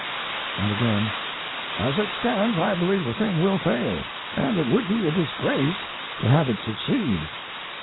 And again: "As it stands, I believe the thing will fail, and it would be a disgrace to have it succeed."